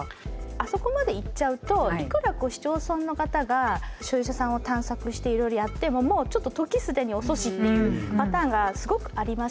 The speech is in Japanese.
あそこまでいっちゃうといくら市町村の方が所有者さんを探索していろいろやってももうちょっと時既に遅しっていうパターンがすごくありまして。